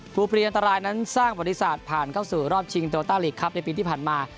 ภูมิอันตรายนั้นสร้างบริษัทผ่านเข้าสู่รอบชิงโจรตาหลีกครับในปีที่ผ่านมา